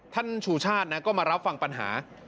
ท่านชูชาติก็มารับฟังปัญหา